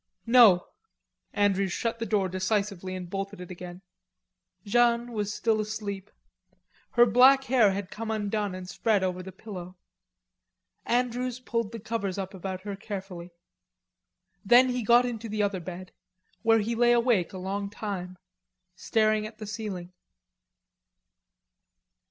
"No." Andrews shut the door decisively and bolted it again. Jeanne was still asleep. Her black hair had come undone and spread over the pillow. Andrews pulled the covers up about her carefully. Then he got into the other bed, where he lay awake a long time, staring at the ceiling.